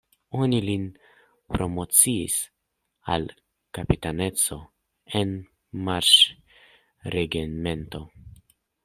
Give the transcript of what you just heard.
Oni lin promociis al kapitaneco en marŝregimento!